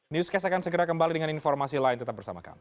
newscast akan segera kembali dengan informasi lain tetap bersama kami